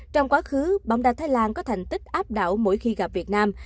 trong quá khứ bóng đá thái lan có thành tích áp đảo mỗi khi gặp việt nam